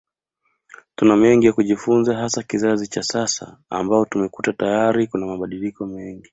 Tuna mengi ya kujifunza hasa kizazi cha sasa ambao tumekuta tayari kuna mabadiliko mengi